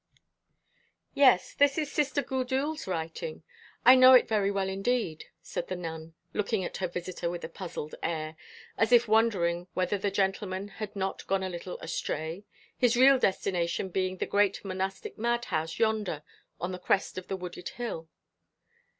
"Yes, this is Sister Gudule's writing. I know it very well indeed," said the nun, looking at her visitor with a puzzled air, as if wondering whether the gentleman had not gone a little astray, his real destination being the great monastic madhouse yonder on the crest of a wooded hill.